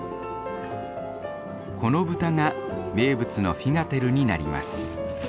この豚が名物のフィガテルになります。